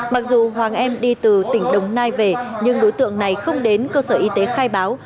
mặc dù hoàng em đi từ tỉnh đồng nai về nhưng đối tượng này không đến cơ sở y tế khai báo